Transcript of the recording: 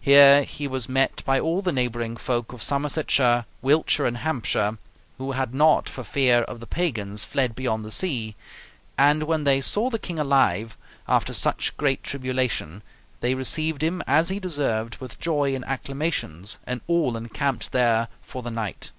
Here he was met by all the neighboring folk of Somersetshire, Wiltshire, and Hampshire, who had not for fear of the Pagans fled beyond the sea; and when they saw the king alive after such great tribulation, they received him, as he deserved, with joy and acclamations and all encamped there for the night."